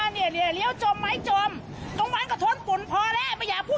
เนี่ยเลี้ยวจมไหมจมตรงนั้นก็ทนฝุ่นพอแล้วไม่อยากพูด